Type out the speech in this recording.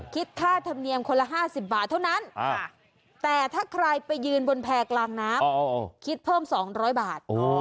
คิดค่าธรรมเนียมคนละ๕๐บาทเท่านั้นแต่ถ้าใครไปยืนบนแพร่กลางน้ำคิดเพิ่ม๒๐๐บาท